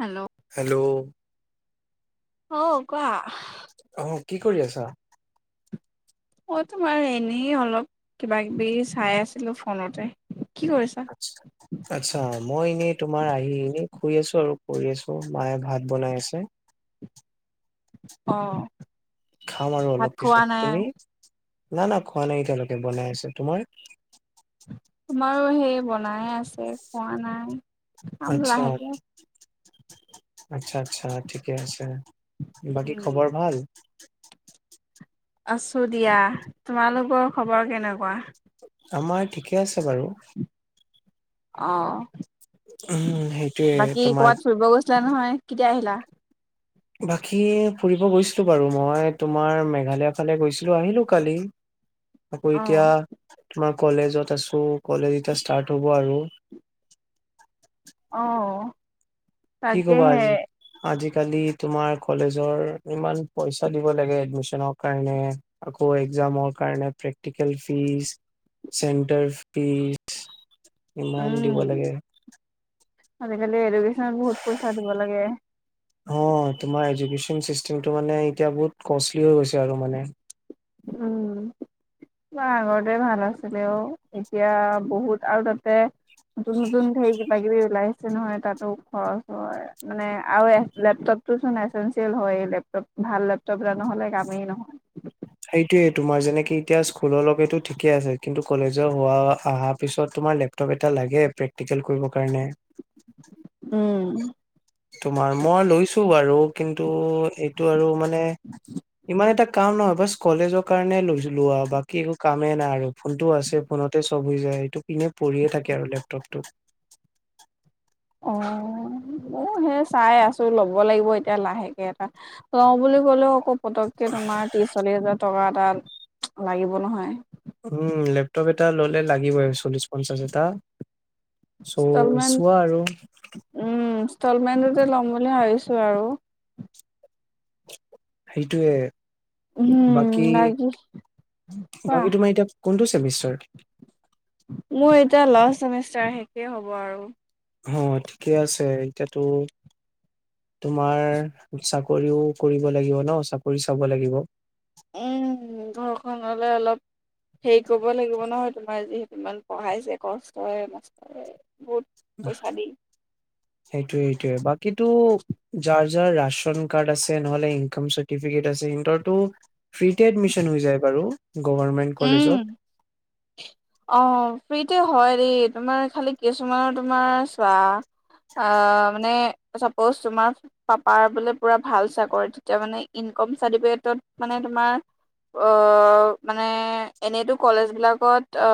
Hello hello অ কোৱা? আহ কি কৰি আছা? মই তোমাৰ এনেই অলপ কিবা কিবি চাই আছিলো ফোনতে। কি কৰিছা? [unintelligible] আচ্ছা মই এনেই তোমাৰ আহি এনে শুই আছো আৰু কৰি আছো মায়ে ভাত বনাই আছে। অ। খাম আৰু ভাত অলপ খোৱা পিছত নাই তুমি না না খোৱা নাই এতিয়ালৈকে বনাই আছে। তোমাৰ? তোমাৰো সেই বনাই আছে খোৱা নাই, খাম আচ্ছা লাহেকে। আচ্ছা আচ্ছা ঠিকে আছে। বাকী উম খবৰ ভাল? আছোঁ দিয়া,। তোমালোকৰ খবৰ কেনেকুৱা? আমাৰ ঠিকে আছে বাৰু। অ উম সেইটোয়ে বাকী তোমাৰ কৰ'বাত ফুৰিব গৈছিলা নহয়, কেতিয়া আহিলা? বাকী ফুৰিব গৈছিলোঁ বাৰু মই তোমাৰ মেঘালয়ৰ ফালে গৈছিলোঁ, আহিলোঁ কালি। আকৌ অ' এতিয়া তোমাৰ কলেজত আছো, কলেজ এতিয়া ষ্টাৰ্ট হব আৰু। অ। কি ক'বা তাকেহে আজি? আজিকালি তোমাৰ কলেজৰ ইমান পইচা দিব লাগে এডমিশ্যন কাৰণে। আকৌ এক্জামৰ কাৰণে, প্ৰেক্টিকেল ফিচ। চেণ্টাৰ ফিচ, ইমান উম দিব লাগে। আজিকালি এডুকেশ্বনত বহুত পইচা দিব লাগে। অ তোমাৰ এডুকেশ্বন চিষ্টেমটো মানে এতিয়া বহুত কষ্টলি হৈ গৈছে আৰু মানে। উম। অ আগতে ভাল আছিলে অ এতিয়া বহুত আৰু তাতে নতুন নতুন ধেৰ কিবা কিবি ওলাই আছে। যে নহয় তাতো খৰচ হয় মানে আৰু এ লেপটপটো চোন এচেনঞ্চিয়েল হয় লেপ টপ ভাল লেপটপ এটা নহ'লে কামেই নহয়। সেইটোয়ে তোমাৰ যেনেকে এতিয়া স্কুলৰ লগেটো ঠিকেই আছে কিন্তু কলেজৰ হোৱা আহা পিছত তোমাৰ লেপ লেপটপ এটা লাগে প্ৰেক্টিকেল কৰিব কাৰণে। উম, তোমাৰ মই লৈছো বাৰু কিন্তু এইটো আৰু মানে ইমান এটা কাম নহয় বাচ কলেজৰ কাৰণে লৈচিলো আ বাকী একো কামেই নাই আৰু ফোনটো আছে ফোনতে চব হৈ যায় এইটো এনে পৰিয়েই থাকে আৰু লেপটপটো। অ', অ', হে চাই আছো। ত' ল'ব লাগিব এতিয়া লাহেকে এটা লওঁ বুলি ক'লেও আকৌ পতককে তোমাৰ ত্ৰিছ, চল্লিছ হাজাৰ টকা এটা লাগিব নহয়। উম, লেপটপ এটা ল'লে লাগিবই চল্লিশ, পঞ্চাছ এটা। চ' ইনষ্টলমেন্ট চোৱা আৰু উম, ইনষ্টলমেন্টতে ল'ম বুলি ভাবিছো আৰু। সেইটোৱে। উম বাকী কোৱা বাকী-বাকী তোমাৰ এতিয়া কোনটো চেমিষ্টাৰ? মোৰ এতিয়া লাষ্ট চেমিষ্টাৰ শেষেই হ'ব আৰু। হ ঠিকে আছে এতিয়াতো তোমাৰ চাকৰিও কৰিব লাগিব ন, চাকৰি চাব লাগিব। উম, ঘৰখনলে অলপ হেৰি কৰিব লাগিব নহয় তোমাৰ যিহেতু ইমান পঢ়াইছে কষ্টৰে মষ্টৰে বহুত পইচা দি সেইটোৱে-সেইটোৱে বাকীতো যাৰ-যাৰ ৰাচন কাৰ্ড আছে নহলে ইনকম চাৰ্টিফিকেট আছে সিহঁতৰটো ফ্ৰীতে এডমিচন হৈ যায় বাৰু গভৰ্ণমেণ্ট কলেজত। অ, ফ্ৰীতে হয় দেই তোমাৰ খালি কিছুমানৰ তোমাৰ চোৱা অ, মানে চাপোজ তোমাৰ পাপাৰ বোলে পুৰা ভাল চাকৰি তেতিয়া মানে ইনকম চাৰটিফিকেটত মানে তোমাৰ অ, মানে এনেতো কলেজ বিলাকত অ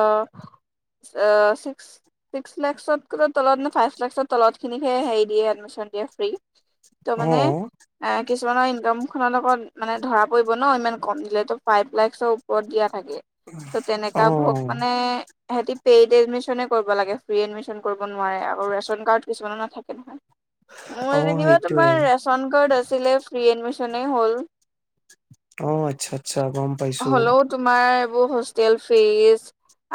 অ, চিক্স ছিক্স লেকচৰ [unintelligible] তলত নে ফাইভ লেকচৰ তলতখিনিকে হেৰি দিয়ে এডমিচন দিয়ে ফ্ৰী। ত' অ মানে এ কিছুমানৰ ইনকাম খনৰ লগত মানে ধৰা পৰিব ন' ইমান কম দিলে ফাইভ লেকচৰ ওপৰত দিয়া থাকে ত' অ তেনেকাবোৰক মানে সেহঁতি পেইড এডমিচনেই কৰিব লাগে ফ্ৰী এডমিচন কৰিব নোৱাৰে আৰু ৰেচন কাৰ্ড কিছুমানৰ নাথাকে নহয়। অ মোৰ যেনিবা সেইটোয়ে তোমাৰ ৰেচন কাৰ্ড আছিলে ফ্ৰী এডমিচনে হ'ল। অ, আচ্ছা-আচ্ছা গম পাইছো। হ'লেও তোমাৰ এইবোৰ হোষ্টেল ফিছ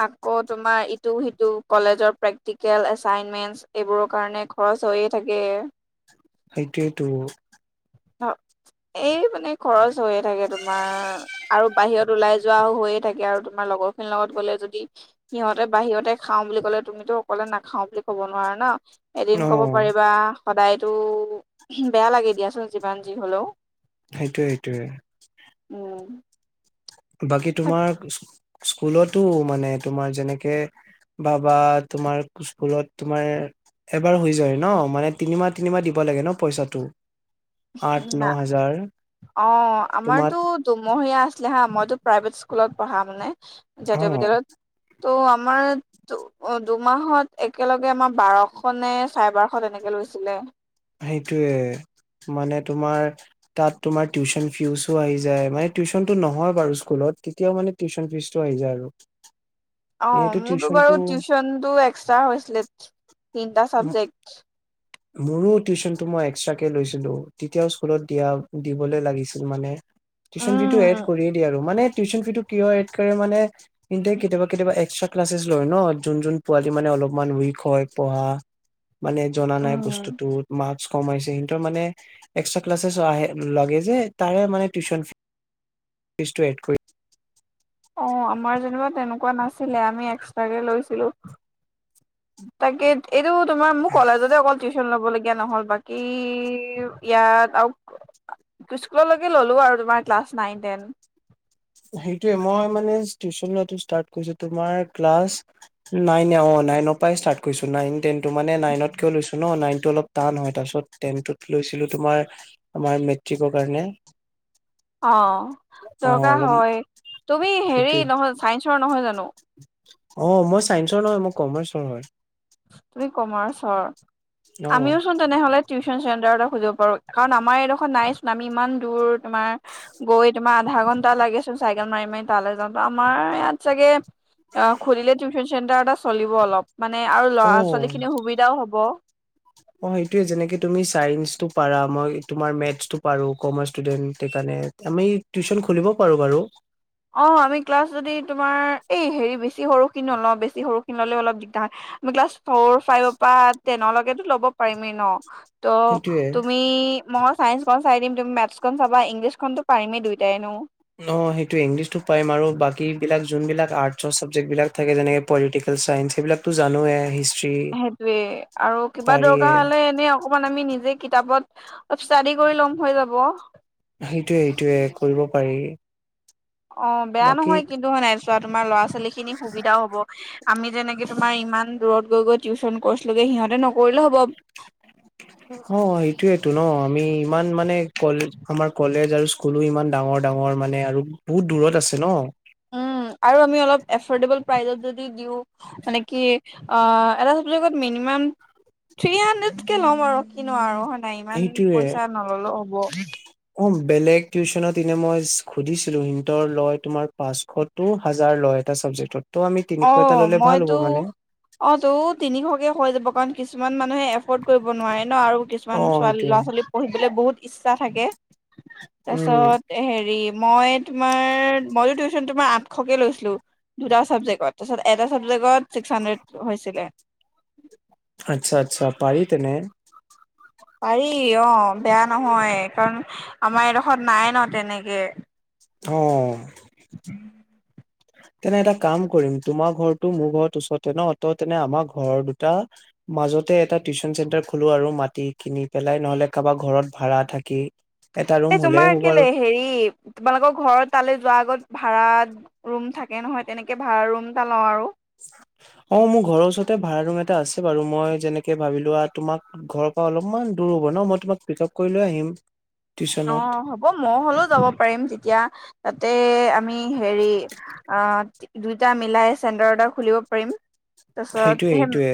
আকৌ তোমাৰ ইটো সিটো কলেজৰ প্ৰেক্টিকেল এচাইনমেন্টচ এইবোৰৰ কাৰণে খৰচ হৈয়ে থাকে। এইটোৱেইতো। [unintelligible] এই মানে খৰচ হৈয়ে থাকে তোমাৰ আৰু বাহিৰত ওলাই যোৱাও হৈয়ে থাকে আৰু তোমাৰ লগৰ খিনিৰ লগত গ'লে যদি সিহঁতে বাহিৰতে খাওঁ বুলি ক'লে তুমিতো অকলে নাখাও বুলি কব নোৱাৰা না এদিন অ ক'ব পাৰিবা সদায়তো বেয়া লাগে দিয়াচোন যিমান যি হলেওঁ। সেইটোয়ে সেইটোয়ে। উম বাকী থাক তোমাৰ স্কুলতো মানে তোমাৰ যেনেকে বাবা তোমাৰ কোচফুলত তোমাৰ এবাৰ হৈ যায় ন মানে তিনিমাহ তিনিমাহ দিব লাগে ন পইচাটো। আঠ ন না হাজাৰ অ তোমাৰ আমাৰতো দুই মহীয়া আছিলে হা মইতো প্ৰাইভেট স্কুলত পঢ়া মানে জাতীয় অ বিদ্য়ালয়ত ত আমাৰ দুমাহত একেলগে আমাৰ বাৰশ নে চাৰে বাৰশ তেনেকে লৈছিলে। সেইটোয়ে মানে তোমাৰ। তাত তোমাৰ টিউশচন ফিজো আহি যায় মানে টিউচনটো নহয় বাৰু স্কুলত কেতিয়াও মানে টিউশচন ফিজটো আহি যায় আৰু অ এনেতো মোৰতো টিউচনটো বাৰু টিউচনতটো এক্সটা হৈছিলে তিনটা চাবজেক্ট। মোৰো টিউচনটো মই এক্সটাকে লৈছিলো তেতিয়াও স্কুলত দিয়া দিবলৈ লাগিছিল মানে। টিউচন ফি টো এড উম কৰিয়ে দিয় আৰু মানে টিউশচন ফি টো কিয় এড কৰে মানে কিন্তু কেতিয়াবা কেতিয়াবা এক্সট্ৰা ক্লাচছ লয় ন যোন যোন পোৱালি মানে অলপমান উইক হয় পঢ়া। মানে জনা নাই উম বস্তুটো তোমাক। কম আহিছে মানে এক্সট্ৰা ক্লাছেছ আহে লাগে যে তাৰে মানে টিউশন। ফিছটো এড কৰি। অ আমাৰ যেনিবা তেনেকুৱা নাছিলে আমি এক্সট্ৰাকে লৈছিলো। তাকে এইটো তোমাৰ মোক কলেজতে অকল। টিউচন ল'বলগীয়া নহ'ল বাকী ইয়াত আৰু। স্কুললৈকে ল'লোঁ আৰু তোমাৰ ক্লাছ নাইন টেন। সেইটোয়ে মই মানে টিউচন লোৱাটো ষ্টাৰ্ট কৰিছো তোমাৰ ক্লাছ। নাইন অ নাইন অ নাইন অৰ পৰা ইচতাদ কৰিছো নাইন টেনটো মানে নাইনত ক লৈছো। ন নাইনতো অলপ টান হয় তাৰপিছত টেনত লৈছিলো তোমাৰ। আমাৰ মেট্ৰিকৰ কাৰণে। অ অ দৰকাৰ অলপ হয় তুমি হেৰি সেইটোয়ে নহয় চাইন্সৰ নহয় জানো? অ মই চাইন্সৰ নহয় মই কমাৰ্চৰ হয়। তুমি কমাৰ্চৰ অ আমিও চোন। তেনেহ'লে টিউচন চেণ্টাৰ এটা খুুলিব পাৰো। কাৰণ আমাৰ এইডোখৰ নাই আমি ইমান দূৰ তোমাৰ। গৈ তোমাৰ আধা ঘণ্টা লাগেচোন চাইকেল মাৰি মাৰি তালৈ যাওঁতে আমাৰ ইয়াত চাগে। অ খুলিলে টিউচন চেণ্টাৰ এটা চলিব অলপ। মানে আৰু অ ল'ৰা ছোৱালী খিনিৰ সুবিধাও হব। অ সেইটোয়ে যেনেকে তুমি চাইন্সটো পাৰা মই তোমাৰ মেথছটো পাৰো কমাৰ্চ ষ্টুডেন্ট সেইকাৰণে। আমি টিউচন খুলিব পাৰো বাৰু। অ আমি ক্লাছ যদি তোমাৰ এই হেৰি বেছি সৰুখিনি নলওঁ বেছি সৰু খিনি ললে অলপ দিগদাৰ হয়। আমি ক্লাছ ফৰ ফাইভৰ পৰা টেনৰলৈকেতো ল'ব পাৰিমেই ন। তো সেইটোয়ে তুমি ম। চাইন্সখন চাই দিম তুমি মেথছখন চাবা ইংলিছখনতো পাৰিমেই দুইটাইনো। অ' সেইটো ইংলিছতো পাৰিম আৰু বাকী বিলাক যোনবিলাক আৰ্টচৰ চাবজেক্ট বিলাক থাকে যেনেকে। পলিটিকেল চায়ন্স সেইবিলাকতো জানোৱে। হিষ্ট্ৰী সেইটোয়ে আৰু কিবা পাৰিয়ে দৰকাৰ হলে এনেই। অকমান আমি নিজে কিতাপত ষ্টাডি কৰি ল'ম হৈ যাব। সেইটোয়ে সেইটোয়ে কৰিব পাৰি। অ 'বেয়া বাকী নহয় কিন্তু মানে নাই চোৱা তোমাৰ ল'ৰা ছোৱালী খিনি সুবিধাও হব আমি যেনেকে। তোমাৰ ইমান দূৰত গৈ গৈ টিউশ্যন কৈছোঁলোকে। সিহঁতে নকৰিলে হ'ব। অ সেইটোৱেটো ন। আমি ইমান মানে কল আমাৰ কলেজ আৰু স্ক স্কুলো ইমান ডাঙৰ ডাঙৰ মানে আৰু বহুত দূৰত আছে ন? উম আৰু আমি অলপ এফৰ্ডেবল প্ৰাইচত যদি দিওঁ। মানে কি অ এটা চাবজেক্টত মিনিমাম থ্ৰী হাণ্ড্ৰেডকে ল'ম আৰু কিনো আৰু হয় নাই ইমান সেইটোয়ে পইচা নললেও হ'ব। অ বেলেগ টিউচনত এনে মই সুধিছিলো। সিহঁতৰ লয় তোমাৰ পাঁচশ টো হাজাৰ লয় এটা চাবজেক্টত। ত' আমি অ তিনিশ এটা ললে ভাল হ'ব মইতো মানে। অ তো তিনিশকে হৈ যাব কাৰণ কিছুমান মানুহে এফ কৰিব নোৱাৰে ন আৰু অ কিছুমান ছোৱালী সেইটোয়ে ল'ৰা ছোৱালী পঢ়িবলে বহুত ইচ্ছা থাকে। উম তাছত। হেৰি মই তোমাৰ মইতো টিউশচন তোমাৰ আঠশকে লৈছিলো, দুটা ছাবজেক্ট। তাছত এটা চাবজেক্টত ছিক্স হান্দ্ৰেদ হৈছিলে। আচ্ছা আচ্ছা, পাৰি তেনে? পাৰি অ বেয়া নহয় কাৰণ আমাৰ এডোখৰত নাই ন তেনেকে। অঁ। [inaudible] তেনে এটা কাম কৰিম। তোমাৰ ঘৰটো মোৰ ঘৰত ওচৰতে ন। ত' তেনে আমাৰ ঘৰৰ দুটা মাজতে এটা টিউচন চেন্টাৰ খোলো আৰু মাটি কিনি পেলাই, নহলে কাবা ঘৰত ভাড়া থাকি। এটা ৰুম এ হলে তোমাৰ হ'ব আৰু কেলে হেৰি তোমালোকৰ ঘৰত তালে যোৱা আগত ভাড়া ৰুম থাকে নহয়, তেনেকে ভাড়া ৰুম এটা লওঁ আৰু। অ মোৰ ঘৰৰ ওচৰতে ভাড়া ৰুম এটা আছে বাৰু। মই যেনেকে ভাবিলোৱা তোমাক ঘৰ পা অলপমান দূৰ হ'ব ন। মই তোমাক পিক আপ কৰি লৈ আহিম টিউচনত। অ মও হ'লেও যাব পাৰিম তেতিয়া, তাতে আমি হেৰি আহ দুইটা মিলাই চেণ্টাৰ এটা খুলিব পাৰিম। তাৰপিছত সেইটোয়ে সে সেইটোয়ে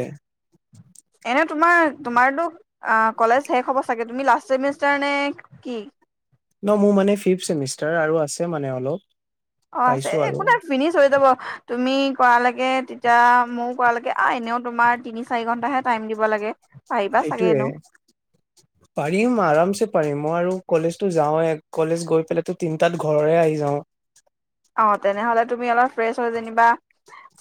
এনে তোমাৰ তোমাৰতো অ কলেজ শেষ হ'ব চাগে? তুমি লাষ্ট চেমিষ্টাৰ নে কি? ন মোৰ মানে ফিফ চেমিষ্টাৰ আৰু আছে মানে অলপ। অ আছে, পাইছো এ আৰু একোনাই। ফিনিছ হয় যাব। তুমি কৰালেকে তেতিয়া মোৰ কৰা লকে আ এনেও তোমাৰ তিনি চাৰি ঘন্টাহে টাইম দিব লাগে। পাৰিবা চাগে সেইটোৱে। এনেও পাৰিম আৰামছে পাৰিম। মই আৰু কলেজতো যাওঁৱে। কলেজ গৈ পেলাইটো তিনটাত ঘৰৰে আহি যাও। অ, তেনেহলে তুমি অলপ ফ্ৰেছ হ যেনিবা।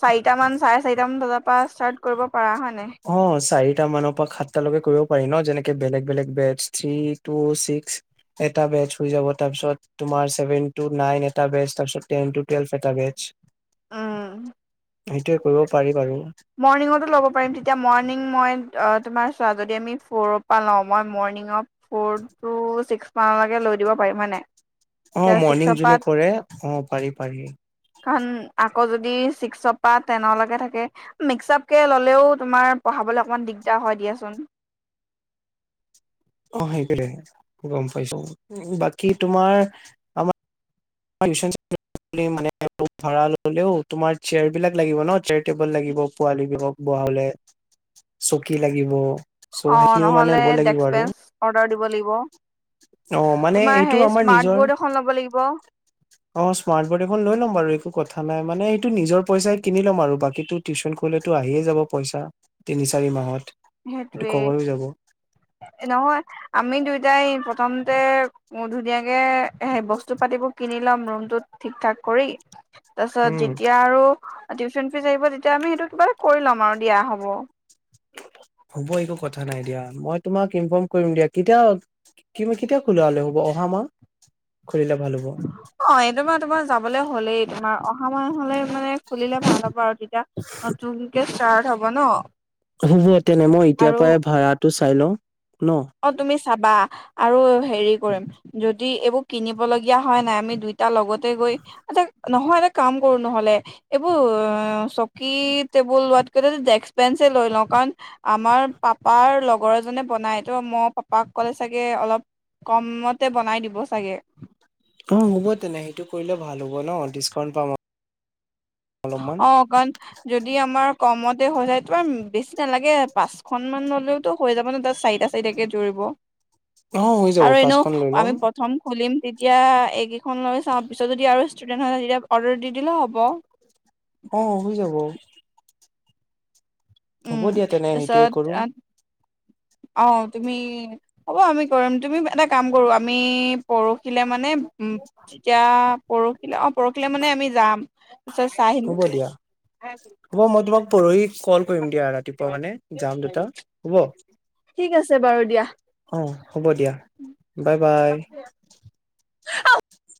চাৰিটা মান চাৰে চাৰিটা মান বজা পা স্তাৰ্ত কৰিব পাৰা। হয় নাই? অ, চাৰিটা মান পা সাতটালৈকে কৰিব পাৰি ন, যেনেকে বেলেগ বেলেগ বেটচ থ্ৰি, টু, ছিক্স। এটা বেচ হৈ যাব তা পিছত। তোমাৰ ছেভেন টু নাইন এটা বেচ। তাপিছত টেন টু টোৱেলভ এটা বেচ। উম। সেইটোৱে কৰিব পাৰি বাৰু। মৰ্ণিঙতো ল'ব পাৰিম। তেতিয়া মৰ্ণিং মই অ তোমাৰ চোৱা যদি আমি ফ'ৰ পা লওঁ। মই মৰ্ণিঙত ফ'ৰ টু ছিক্স মানলৈকে লৈ দিব পাৰিম মানে। অ মৰ্ণিং যোনে কৰে, অ পাৰি পাৰি। কাণ আকৌ যদি ছিক্স পা টেনলৈকে থাকে। মিক্সআপকে ল'লেও তোমাৰ পঢ়াবলে অকমান দিগদাৰ হয় দিয়াচোন। অ সেইটোৱে গম পাইছো। বাকী তোমাৰ, আমাৰ [inaudible] [unintelligible] [unintelligible] মানে ভাড়া ললেও তোমাৰ চেয়াৰ বিলাক লাগিব ন চেয়াৰ টেবল লাগিব পোৱালি বোৰক। বহালে, চকী লাগিব। অ সেইখিনিও মানে নহ'লে ল'ব লাগিব ডেক্ক আৰু বেঞ্চ অৰ্ডাৰ দিব লাগিব। অ মানে তোমাৰ এইটো সেই আমাৰ স্মাৰ্ট নিজৰ বৰ্ড এখন ল'ব লাগিব। অ স্মাৰ্ট বৰ্ড এখন লৈ ল'ম বাৰু একো কথা নাই। মানে এইটো নিজৰ পইচাই কিনি ল'ম আৰু বাকী টো, টিউচন কৰিলেতো আহিয়ে যাব পইচা, তিনি চাৰি মাহত। সেইটো সেইটোৱেই, কভাৰ হৈ যাব নহয় আমি দুয়টাই প্ৰথমতে, মোৰ ধুনীয়াকে সেই বস্তু পাতিবোৰ কিনি লম ৰুমটোত ঠিক ঠাক কৰি, তাৰপিছত উম যেতিয়া আৰু টিউচন ফিজ আহিব তেতিয়া আমি সেইটো কিবা এটা কৰি ল'ম আৰু দিয়া হ'ব। হ'ব একো কথা নাই দিয়া। মই তোমাক ইনফৰ্ম কৰিম দিয়া, কেতিয়া কি কেতিয়া খোলা হলে হ'ব, অহা মাহ খুলিলে ভাল হ'ব। অ এইটোমাহ তোমাৰ যাবলৈ হলেই, তোমাৰ অহা মাহ হলে মানে খুলিলে ভাল হব আৰু। তেতিয়া নতুনকে ষ্টাৰ্ট হব ন। হ'ব তেনে মই এতিয়াৰ আৰু পৰাই ভাড়াটো চাই লওঁ ন। অ তুমি চাবা আৰু হেৰি কৰিম। যদি এইবোৰ কিনিব লগীয়া হয় নাই আমি দুইটাৰ লগতে গৈ, আচ্ছা, নহয় এটা কাম কৰো নহলে। এইবোৰ চকী টেবুল লোৱাতকৈ ডে্ক বেঞ্চে লৈ লওঁ। কাৰণ, আমাৰ পাপাৰ লগৰ এজনে বনাই, ত মই পাপাক ক'লে চাগে, অলপ কমতে বনাই দিব চাগে। অ হ'ব তেনে সেইটো কৰিলে ভাল হ'ব ন ডিচকাউণ্ট পাম। অলপমান অ কাৰণ, যদি আমাৰ কমতে হৈ যায়। তোমাৰ বেছি নালাগে পাঁচখনন মান ললেওতো হৈ যাব ন চাৰিটা, চাৰিতাকে জুৰিব অ হৈ যাব আৰু এনেও পাঁচখন লৈ ল'ম আমি, প্ৰথম খুলিম তেতিয়া, এইকেইখন লৈ চাওঁ পিছত যদি আৰু ষ্টুডেণ্ট হয়, তেতিয়া অৰ্ডাৰ দি দিলেও হ'ব। অ হৈ যাব। হ'ব উম দিয়া তেনে সেইটোৱে তাৰপিছত কৰো। অ তুমি হ'ব আমি কৰিম, তুমি এটা কাম কৰো আমি পৰহিলে মানে, যেতিয়া পৰহিলে অ পৰহিলৈ মানে আমি যাম। তাৰপিছত চাই আহিম হ'ব দিয়া হ'ব মই তোমাক পৰহি কল কৰিম দিয়া, ৰাতিপুৱা মানে যাম দুটা হ'ব। ঠিক আছে বাৰু দিয়া। অঁ হ'ব দিয়া, বাই বাই।